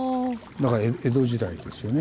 だから江戸時代ですよね。